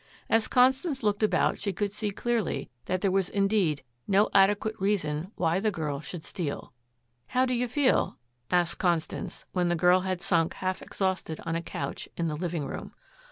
As Constance looked about she could see clearly that there was indeed no adequate reason why the girl should steal. "How do you feel?" asked Constance when the girl had sunk half exhausted on a couch in the living room.